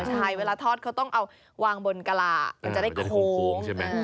ใช่เวลาทอดเขาต้องเอาวางบนกระมันจะได้โค้ง